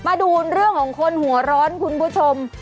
มาดูเรื่องของคนหัวร้อนคุณผู้ชม